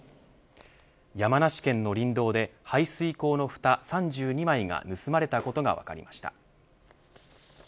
山梨県の林道で排水溝のふた３２枚が盗まれたことが分かりました。